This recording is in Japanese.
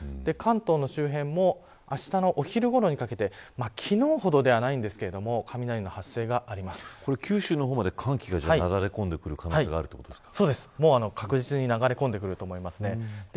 関東の周辺もあしたのお昼ごろにかけて昨日ほどではないんですけれども九州の方まで寒気が流れ込んでくる可能性があるということですか。